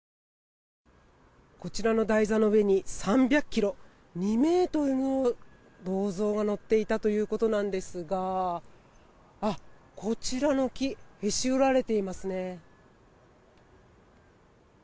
こちらの台座の上に３００ｋｇ、２ｍの銅像が乗っていたということなんですがこちらの木へし折られていますね。